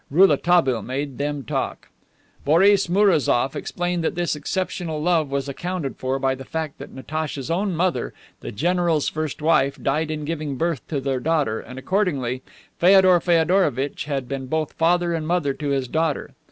Rouletabille made them talk. Boris Mourazoff explained that this exceptional love was accounted for by the fact that Natacha's own mother, the general's first wife, died in giving birth to their daughter, and accordingly Feodor Feodorovitch had been both father and mother to his daughter.